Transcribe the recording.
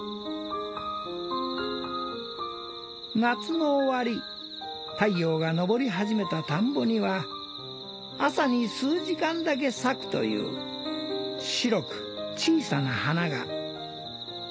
夏の終わり太陽が昇り始めた田んぼには朝に数時間だけ咲くという白く小さな花が。